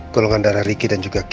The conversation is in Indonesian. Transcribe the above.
golongan dana riki dan juga keisha